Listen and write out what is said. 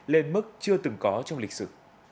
lên mức chưa từng có trong lịch sử